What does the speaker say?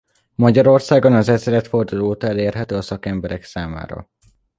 Magyarországon az ezredforduló óta elérhető a szakemberek számára.